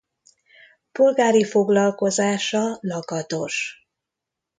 Polgári foglalkozása lakatos.